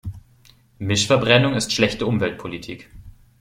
Mischverbrennung ist schlechte Umweltpolitik.